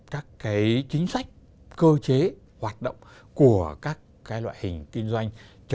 các chính sách cơ chế hoạt động của các loại hình kinh doanh